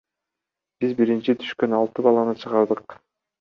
Биз биринчи түшкөн алты баланы чыгардык.